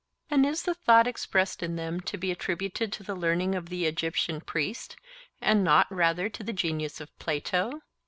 And is the thought expressed in them to be attributed to the learning of the Egyptian priest, and not rather to the genius of Plato?